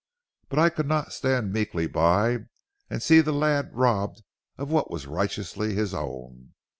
But I could not stand meekly by and see the lad robbed of what was righteously his own.